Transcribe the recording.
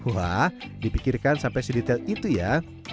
wah dipikirkan sampai sedetail itu ya